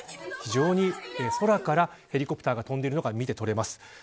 非常に空からヘリコプターが飛んでいるのが見てとれます。